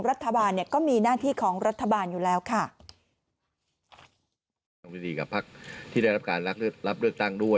รัฐบาลเนี่ยก็มีหน้าที่ของรัฐบาลอยู่แล้วค่ะ